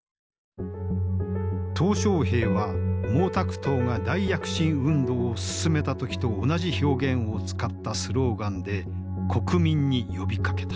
小平は毛沢東が大躍進運動を進めた時と同じ表現を使ったスローガンで国民に呼びかけた。